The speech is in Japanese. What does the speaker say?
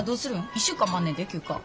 １週間もあんねんで休暇。